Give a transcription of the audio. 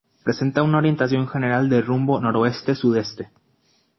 Presenta una orientación general de rumbo noroeste-sudeste.